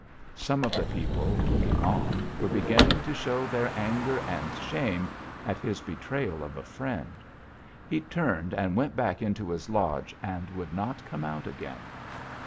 Some of the people, looking on, were beginning to show their anger and shame at his betrayal of a friend. He turned and went back into his lodge, and would not come out again.